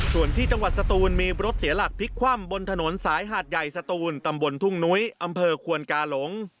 ส่วนที่จังหวัดสตูนมีรถเสียหลักพลิกคว่ำบนถนนสายหาดใหญ่สตูนตำบลทุ่งนุ้ยอำเภอควนกาหลง